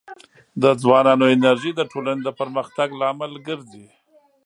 د ځوانانو انرژي د ټولنې د پرمختګ لامل ګرځي.